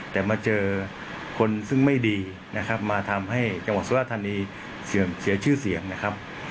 แต่มาเจอคนซึ่งไม่ดีนะครับมาทำให้จังหวัดสุราธานีเสียชื่อเสียงนะครับ